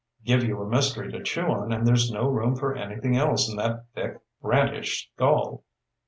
Give you a mystery to chew on and there's no room for anything else in that thick Brantish skull."